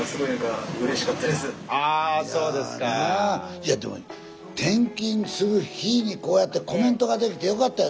いやでも転勤する日にこうやってコメントができてよかったよね。